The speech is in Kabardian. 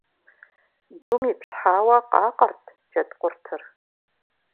Дум ипщхьауэ къакъэрт джэд къуртыр.